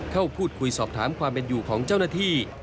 เข้าพูดคุยสอบถามความเป็นอยู่ของเจ้าหน้าที่